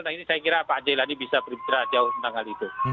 saya kira pak ajay ladi bisa berbicara jauh tentang hal itu